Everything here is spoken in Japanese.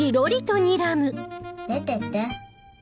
出てって。